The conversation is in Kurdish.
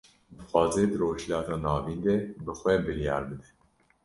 Dixwaze di Rojhilata Navîn de, bi xwe biryar bide